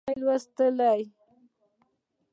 پښتو نه شم لوستلی.